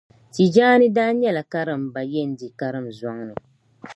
Tijaani daa nyɛla karimbaYendi karinzoŋ ni.